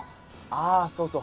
あそうそう。